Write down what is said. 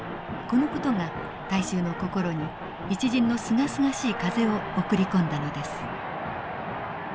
この事が大衆の心に一陣のすがすがしい風を送り込んだのです。